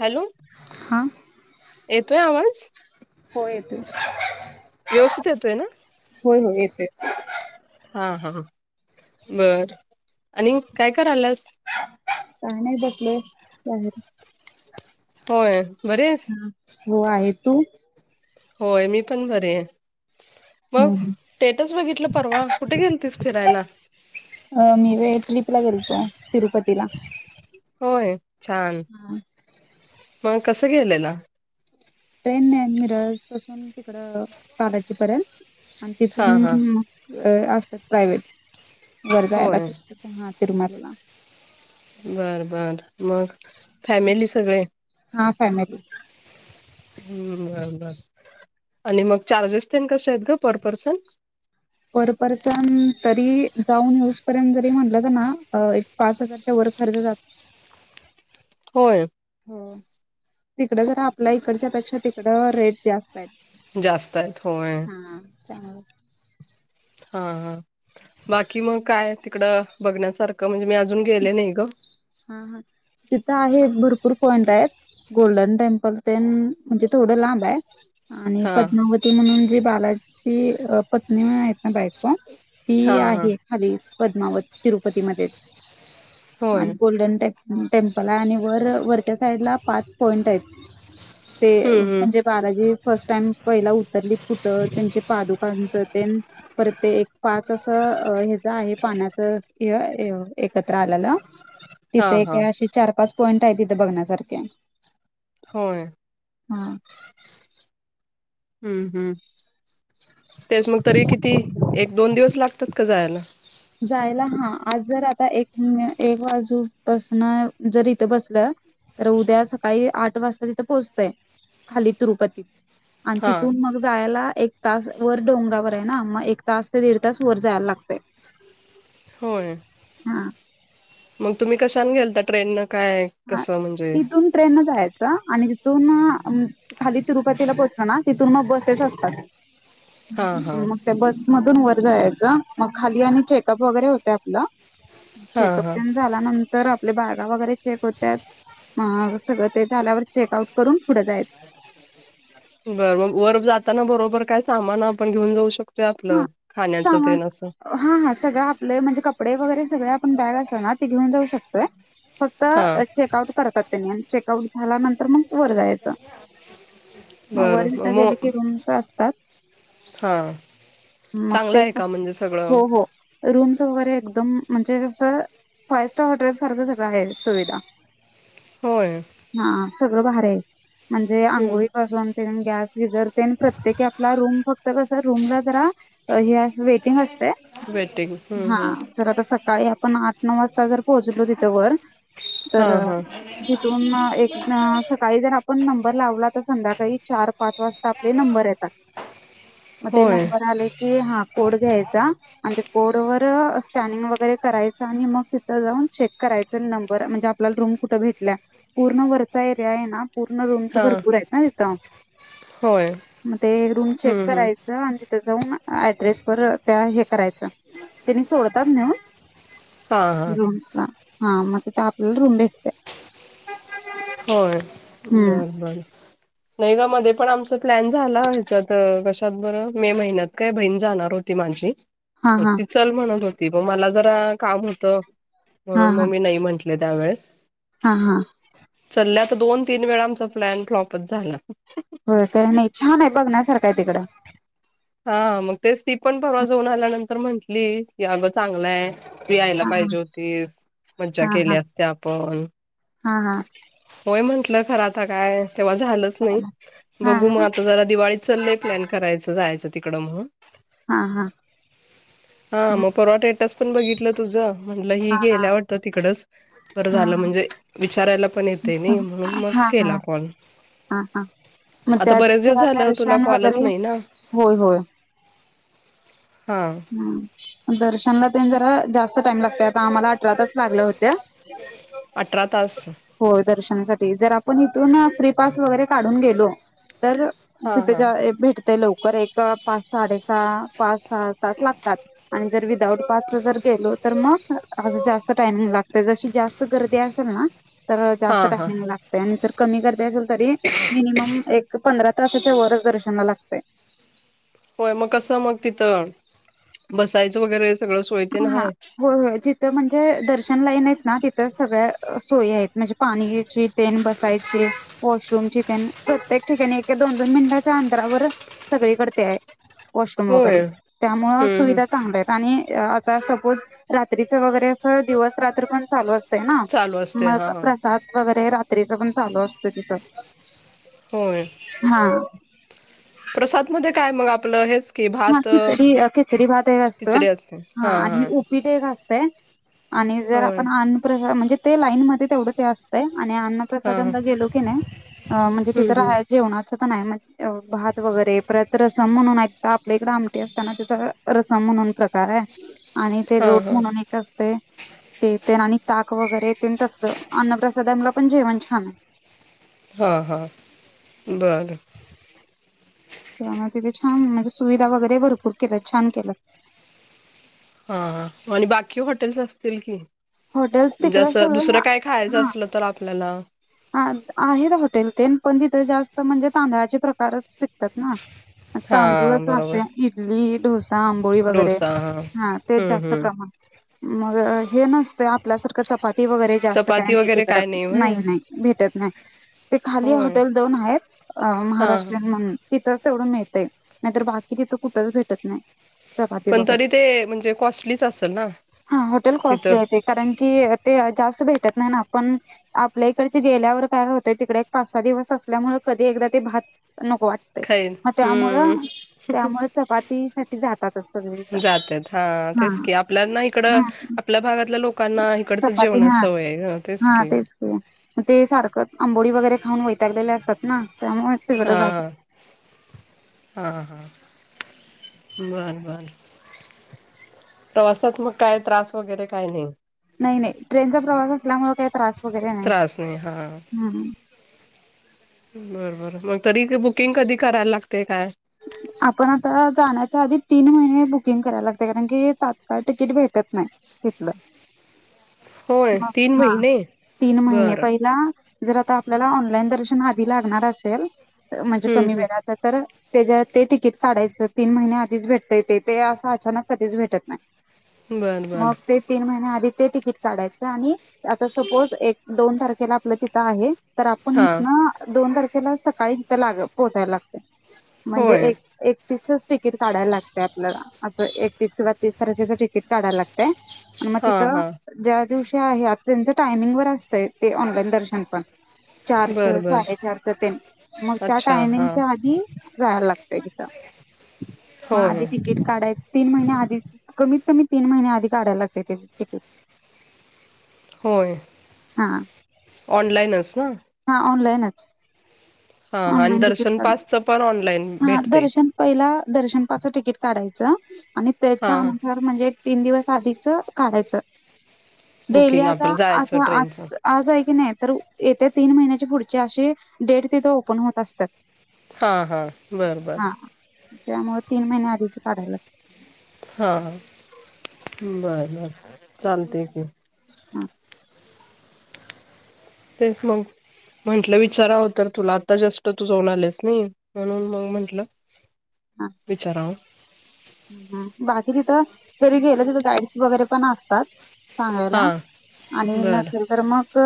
Hello हा येतोय कां आवांज? हो येतोय. व्यवस्थित येतोय नां? होय होय येते. हां हां बरं आणि कायं करियास? कायं नाहीं बसलोय बाहेर. होयं बरी अहिस? हो आहे. तूं? होयं मी पणं बरे आहे. मगं हम्म स्टेटस बघितलं परवां कुठे गेलतीस फिरांयला? आं मी होयं ट्रीपला गेलतो तिरुपतीला. होयं छांन. हा. मगं कसं गेलेला? ट्रेन ने मीरज पासूंन तिकडं बालांजी पर्यंत आणि हा तिथूंन हा असतांत प्रायव्हेट वरं जायंला होय हां तिरमांरला. बरं बरं मगं. फॅमिली सगळें? हां फॅमिली. हम्मं बरं बरं. आणि मगं चार्जेस ते कसे आहेत गं परं पर्सन? परं पर्सन तरी जाऊंन असं पर्यंत म्हनलं तरं नां. पांच हजारांच्या वरं खर्च जातं होयं हो तिकडं जरं आपल्या इकडच्यां पेक्षा तिकडं रेटं जास्तं आहेंतं. जास्तं आहेतं होयं. हां त्यामुळें हां हां बाकी मगं कायं तिकडं बघण्यांसारखं म्हणजे मी अजूंन गेले नाहीं गं. हां हां तिथं आहे भरंपूर पॉइंट आहेतं. गोल्डन टेम्पल ते म्हणजे थोड लांब आहे आणि हा पद्मावती ती म्हणून जी बालाची पत्नी आहेत ना बायको ती हा हा आहे. खाली पद्मावत तिरुपतीमध्येच होय आणि गोल्डने टेम-टेम्पल आहे आणि वर वरच्या साईड ला पाच पॉईंट आहेत. ते हम्म हम्म म्हणजे बालाजी फर्स्ट टाइम पहिला उतरलीत कुठं त्यांचे पादुकांच ते. परत ते एक पाच असं ह ज आहे पाण्याच एकत्र आल्यालं. हा तिथे हा काय अशे चार पाच पॉइंट आहे तिथे बघण्यासारखे होय हा हम्म हम् तेच मग तरी किती एक दोन दिवस लागतात का जायला जायला हा आज जर आता एक एक बाजूपसन जर इथं बसलं तर उद्या सकाळी आठ वाजता तिथं पोहोचतय खाली तिरुपतीत. आणि हा तिथून मग जायला एक तास वर डोंगरावर आहे ना एक तास ते दीड तास जायला लागतोय. होय हा मग तुम्ही कशान ट्रेन नं काय? हा कसं म्हणजे इथून ट्रेन जायच आणि तिथून खाली तिरुपतीला पोहोचल ना तिथून मग बसेस असतात. हा हा त्या बसमधून वर जायच मग खाली आणि चेकअप वगैरे होते आपल. हा हा चेकपण झाल्यानंतर आपल्या ब्यागा वगैरे चेक होत्यात अ सगळ ते झाल्यावर चेक आउट करून पुढं जायचं. बरं म वर जाताना बरोबर काय सामान आपण घेऊन जाऊ शकतो हा आपलं खाण्याचं ते सामान ना असं. हा हा सगळ आपले म्हणजे कपडे वगैरे सगळे आपण बॅग असो ना त घेऊन जाऊ शकतोय. फक्त हा चेक आउट करतात त्यांनी आण चेकआउट झाल्यानंतर मग वर जायचं मग वर बरं तिथं मो गेल की रूम्स असतात. हा मग चांगलं ते आहे पण का म्हणजे हो सगळं. हो रूम्स वगैरे एकदम म्हणजे कसं फाइव्हस्टार हॉटेल सारखं सगळं आहे सुविधा. होय हा सगळं भारी आहे म्हणजे हम्म आंघोळी पाासून तेन गॅस गिझर तेन प्रत्येकी आपला रूम फक्त कस रुमला जरा हे अस वेटिंग असते. वेटिंग हा हम्-हम् जर आता सकाळी आपण आठ नऊ वाजता जर पोहोचलो तिथं वर हां तरअ हां जिथून एक सकाळी जर आपण नंबर लावला तर संध्याकाळी चार पाच वाजता आपले नंबर येतात. म ते होय नंबर आले की हा कोड घ्यायचा. आणि ते कोड वर स्कॅनिंग वगैरे करायचं आणि मग तिथं जाऊन चेक करायचं नंबर म्हणजे आपल्याला रूम कुठ भेटल्या पूर्ण वरचा एरिया हे ना पूर्ण रूमस हां भरपूर आहेत ना तिथं होय मग ते रूम चेक हम्म, हम्म. करायच तिथ जाऊन ऍड्रेस वर त्या हे करायच त्यांनी सोडतात नेऊन हां हां रूमसला हा मग तिथ आपलेला रूम भेटते यात होय हम्म बर बरं नाहीग मध्ये पण आमचा प्लॅन झाला हेच्यात कशात बरं मे महिन्यात काय बहीण जाणार होती माझी हा हा एकटीच चल म्हणत होती मग मला जरा काम होत हा म्हणून हा मी नाही म्हटले त्यावेेळेस हा हा. चलल्याता दोन तीन वेळा आमचा प्लॅन फ्लॉपच झाला. होय काय नाही छान आहे बघण्यासारखं आहे तिकडं. हा मग तेच ती पण परवा जाऊन आल्यानंतर म्हंटली की अगं चांगलंय, तू यायला हा हा पाहिजे होतीस मज्जा हा केली हा असती आपण हा हा होय म्हंटलं खर आता काय तेव्हा झालंच नाही, हा बघू मग हा आता जरा दिवाळी चलय प्लॅन करायचं जायचं तिकड म्हणून हा हा हा हा मग परवा स्टेटस पण बघितलं तुझं म्हणलं ही हा गेल्या वाटतं तिकडच बरं झालं म्हणजे विचारायला पण येतयनी म्हणून मग हा हा केला कॉल. हा हा मग आता त्याच बरेच दिवस झालं तुला दर्शन कॉलच वगैरे नाही ना, होय होय हा ह दर्शनला तेन जरा जास्त टाइम लागतय आम्हाला अठरा तास लागल होते. अठरा तास हो दर्शनासाठी जर आपण इथून फ्री पास वगैरे काढून गेलो तर हा हा तिथेच्या एक भेटतय लवकर एक पाच साडेसहा पाच सहा तास लागतात. आणि जर विदाउट पासच जर गेलो तर मग अस जास्त टायमिंग लागतय जशी जास्त गर्दी असेल ना तर जास्त हा हा टायमिंग लाग तय आणि जर कमी गर्दी असेल तरी मिनिमम एक पंधरा तासाच्या वरच दर्शनाला लागतय. होय मग कसं मग तिथं बसायचं वगैरे सगळं सोय तेन हा हा हाय हो होय त तर म्हणजे दर्शन लाईन आहेत ना तिथं सगळ्या सोयी आहेत म्हणजे पाणीची तेन बसायची वॉशरूमची तेन प्रत्येक ठिकाणी एक एका दोन दोन मिनिटाच्या अंतरावर सगळीकड ते आहे. वॉशरूम वगैरे होय. त्यामुळे हम्म हम्म सुविधा चांगल्या आहेत आणि सपोज रात्रीच वगैरे अस दिवस रात्र पण चालू असतय ना चालू असते हा मग हा प्रसाद वगैरे रात्रीच पण चालू असतय तिथं, होय हा प्रसादमध्ये काय मग आपलं हेच की हा भात खिचडी खिचडी भात एक आसतोय हा आणि उपीट एक आसतय आणि जर होय आपण अन्प म्हणजे ते लाईन मध्ये तेवढं ते असत तय आणि अन्न हा हा प्रसादनला गेलो कणी म्हणजे हम्म तिथे हम्म राहा जेवणाच पण आहे मग भात वगैरे परत रसम म्हणून हाय आपल्या इकडे आमटी असत्यांना तस रसम म्हणून प्रकार आहे आणि ते हा रोट हा म्हणून एक अस ते आणि ताक वगैरे तेन तसल अन्नप्रसादाला पण जेवण छान हां हां बरं तर तिथे छान म्हणजे सुविधा वगैरे भरपूर केल्या छान केल्यात. हा मग आणि बाकी हॉटेल्स असतील की हॉटेल्स म्हणजे तिकडं असं सगळं दुसरं काय खायचं असल तर आपल्याला, ह आहेत हॉटेल तेन पण तिथ जास्त म्हणजे तांदळाचे प्रकारच पिकतात ना. हा तांदूळच बरोबर असतय इडली ढोसा आंबोळी वगैरे डोसा हा तेच हम्म जास्त हम्म प्रमाण मग हे नसतय आपल्यासारखं चपाती वगैरे जास्त चपाती काही नाही वगैरे तिकडं काय होय नाही नाही. भेटत नाही ते खाली होय हॉटेल दोन आहेत हा महाराष्ट्रीयन म्हणून. तिथंच तेवढ मिळतय, नाहीतर बाकी तिथं कुठंच भेटत नाही. चपाती पण वगैरे तरी ते म्हणजे कॉस्टलीच असेल ना हा हॉटेल तिथं कॉस्टली आहे ते. कारण की ते जास्त भेटत नाही ना, आपण आपले तिकड गेल्यावर काय होतंय तिकडे एक पाच सहा दिवस असल्यामुळे कधी एकदा ते भात नको वाट खाईन मग त्यामुळ हम्म त्यामुळे चपातीसाठी जातातच सगळे. जातात हा तेच की आपल्याना इकड हम्म आपल्या भागातल्या लोकांना इकडचं जेवण सवय हाय गं. तेच की. ग ते सारखं आंबोळी वगैरे खाऊन वैतागलेले असतात ना त्यामुळे तिकडं हा जातात हा हा हा बर बर. प्रवासात मग काय त्रास वगैरे काय नाही. नाही नाही ट्रेनचा प्रवास असल्यामुळे काही त्रास वगैरे नाही, त्रास हा ह. बरबर मग तरी बुकिंग कधी करायला लागते काय. आपण आता जाण्याच्या आधी तीन महिने बुकिंग करायला लागते, कारण की तात्काळ तिकीट भेटत नाही. [unintelligible] [unintelligible] होय तीन हा महिने तीन महिने बरं पहिला जर आता आपल्याला ऑनलाईन दर्शन आधी लागणार असेल, म्हणजे हम्म कमी हम्म वेळाच तर त्याच्यात ते तिकीट काढायचं तीन महिने आधीच भेटत ते असं अचानक कधीच भेटत नाही. बरं मग बरं ते तीन महिन्या आधी ते तिकीट काढायचं आणि आता सपोज एक दोन तारखेला आपलं तिथं आहे. तर आपण हां इथन दोन तारखेला सकाळी तिथं लाग पोहोचायला लागते. म्हणजे होय एक एकतीसच तिकीट काढायला लागते आपल्याला. असं एकतीस किंवा तीस तारखेचं तिकीट काढायला लागत. आणि मग हां तिथं हां ज्या दिवशी आहे, आता त्यांच टायमिंग वर असतंय ते ऑनलाईन दर्शन पण. चारचं बरं बरं साडेचारचं तेन मग त्या अच्छा हां टायमिंगच्या आधी जायला लागतय तिथं मग आधी होय तिकीट काढायच तीन महिने आधी, कमीत कमी तीन महिने आधी काढायला लागते ते तिकीट. हा ऑनलाइनच ना. हा ऑनलाईनच. हा आणि ऑनलाईन तिकीट दर्शन काढ पासच पण ऑनलाईन. हा भेटते दर्शन पहिला दर्शन पासच तिकीट काढायचं आणि हा त्याच्या हा अनुसार म्हणजे तीन दिवस आधीच काढायचं डेली बुकिंग आता आपलं आ जायचं आज ट्रेनचं आज आहे की नाही तर येत्या तीन महिन्याच्या पुढची अशी डेट तिथे ओपन होत असतात. हा हा हा त्यामुळे तीन महिन्या आधीच काढायला लागत. हा बर बर चालते की. हम तेच मग. म्हंटलं विचारावं तर तुला आता जस्ट तू जाऊन आलेस नाही, म्हणून मग म्हंटलं हा विचाराव. बाकी तिथं जरी गेलं तिथं गाईड्स वगैरे पण असतात. सांगायला हां आणि बरं नसेल तर मग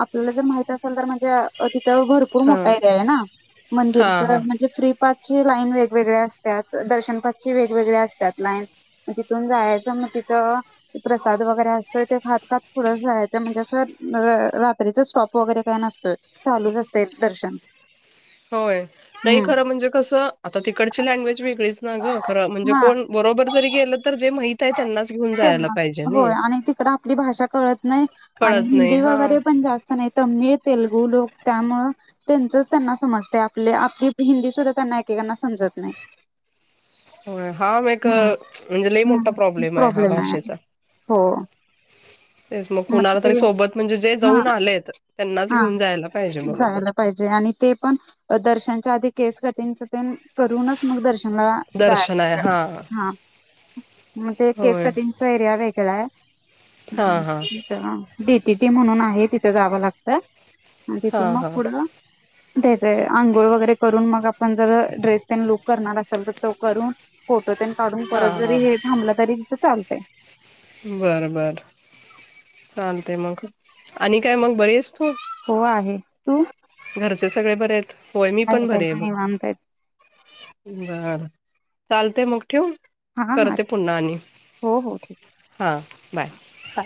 आपल्याला जर माहित असेल तर म्हणजे अ तिथं भरपूर मोठा हां एरिया ये ना, हां मंदिरचं, हां म्हणजे फ्री पासची लाईन वेगवेगळ्या असत्यात, दर्शन पासची वेगवेगळे्या असतात, लाईन म तिथून जायाचं, म तिथं प्रसाद वगैरे असतोय, ते खात-खात पुढं जायच, म्हणजे असं रात्रीच स्टॉप वगैरे काय नसत, चालूच असते दर्शन. होय नही हम्म खरं म्हणजे कसं, आता तिकडची लँग्वेज वेगळीच ना गं, खरं म्हणजे कोण बरोबर जरी गेलं, तर जे माहित आहे त्यांनाच घेऊन जायला त्यांनच, पाहिजे होय नाही आणि तिकड आपली भाषा कळत नाही, आणि कळत नाही हिंदी हा वगैरे, पण जास् त नाही, तमीळ तेलगू लोक, त्यामुळं त्यांचच त्यांना समजते, आपले-आपली हिंदी सुद्धा, त्यांना एकेकांना समजत नाही. होय, हा म एक, म्हणजे लई मोठा हम्म प्रॉब्लेम ये, हा आहे भाषेचा. हो तेच मग कुणाला तरी सोबत, म्हणजे जे जाऊन आलेत. त्यांनाच हां, घेऊन जायला पाहिजे बरोबर. जायला पाहि जे अणि ते पण, दर्शनच्या आधी केस कटिंग च, तेन करूनच मग दर्शनला दर्शन आहे जायाच, हा हां, मग ते केस होय कटिंग चा एरिया वेगळा य, हा हा तिथं अ डीपीटी म्हणून आहे, तिथं जावं लाग त, अ हा तिथून म हा पुढ त्याचे आंघोळ वगैरे करून, मग आपण, जर ड्रेस ते लुक करणार असेल, तर तो करून फोटो तेन काढून, हा परत हा जरी हे थांबल, तरी तिथं चालतय. बर बर, चालतंय मग, आणि काय मंग बरीयेस, तू? हो आहे, तू? घरचे सगळे, बरे येत, होय मी पण, आहेत बरि आहेत बघ. निवांत आहेत बरं, चालतय, मग ठेवू? हा हा करते पुन्हा आणि हो हो ठीक हां, बाय. आहे हा बाय